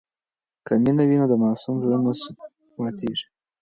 که مینه وي نو د ماسوم زړه نه ماتېږي.